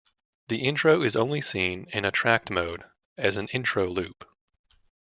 The intro is only seen in attract mode as an intro loop.